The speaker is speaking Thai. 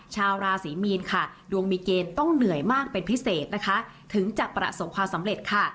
ชาวราศรีมีนค่ะดวงมีเกณฑ์ต้องเหนื่อยมากเป็นพิเศษนะคะถึงจะประสบความสำเร็จค่ะ